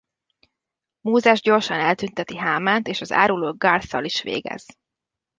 Mózes gyorsan eltünteti Hámánt és az áruló Garth-tal is végez.